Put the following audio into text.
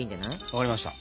わかりました。